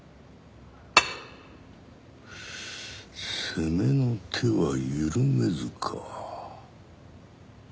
攻めの手は緩めずか。